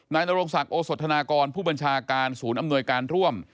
นโรงศักดิ์โอสธนากรผู้บัญชาการศูนย์อำนวยการร่วม